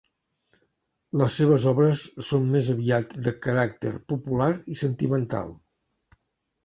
Les seves obres són més aviat de caràcter popular i sentimental.